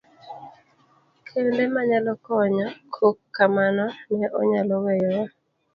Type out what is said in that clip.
Kende manyalo konyo, kok kamano ne onyalo weyowa.